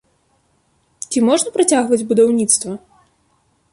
Ці можна працягваць будаўніцтва?